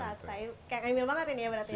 kayak emil banget ini ya berarti